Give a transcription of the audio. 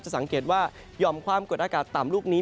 สังเกตว่าหย่อมความกดอากาศต่ำลูกนี้